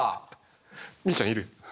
みいちゃんいる。